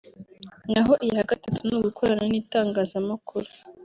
naho iya gatatu ni ugukorana n'itangazamakuru